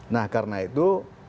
nah karena itu